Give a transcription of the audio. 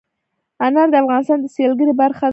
انار د افغانستان د سیلګرۍ برخه ده.